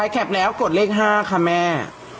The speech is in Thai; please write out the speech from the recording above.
ใครแข็บแล้วกดเลขห้าค่ะแม่